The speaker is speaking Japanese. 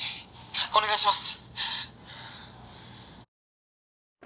お願いします